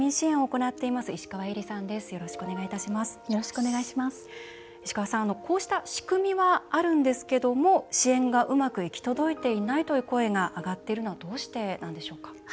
石川さん、こうした仕組みはあるんですけども、支援がうまく行き届いていないという声が上がっているのはどうしてなんでしょうか？